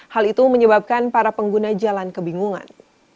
hal itu menyebabkan para pengguna jalan kebingungan